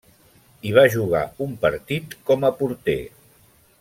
Hi va jugar un partit, com a porter.